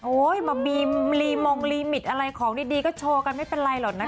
มาบีมรีมงลีมิตอะไรของดีก็โชว์กันไม่เป็นไรหรอกนะ